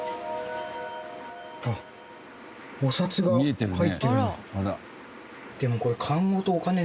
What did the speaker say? あっお札が入ってるな。